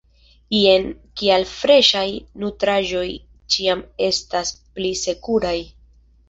Jen kial freŝaj nutraĵoj ĉiam estas pli sekuraj.